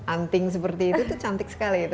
anting seperti itu itu cantik sekali